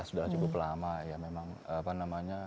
sudah cukup lama